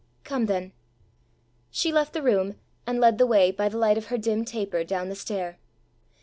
"Come then." She left the room, and led the way, by the light of her dim taper, down the stair.